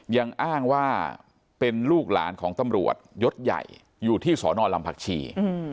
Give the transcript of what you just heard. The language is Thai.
ยังอ้างว่าเป็นลูกหลานของตำรวจยศใหญ่อยู่ที่สนลำผักชี